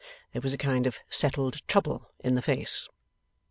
There was a kind of settled trouble in the face.